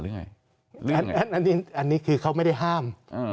อันนี้อันนี้คือเขาไม่ได้ห้ามอืม